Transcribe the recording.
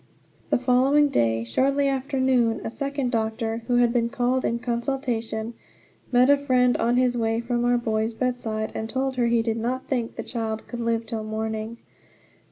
The following day, shortly after noon, a second doctor, who had been called in consultation, met a friend on his way from our boy's bedside and told her he did not think the child could live till morning.